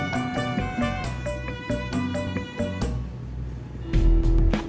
kirain kembaliannya diikhlasin